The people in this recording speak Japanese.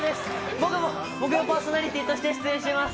僕も木曜パーソナリティーとして出演します。